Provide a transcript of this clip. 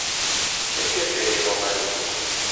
لەکوێ فێری ڕۆمانی بوو؟